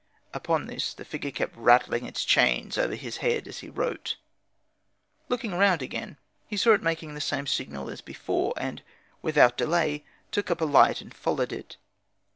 Upon this the figure kept rattling its chains over his head as he wrote. On looking round again, he saw it making the same signal as before, and without delay took up a light and followed it.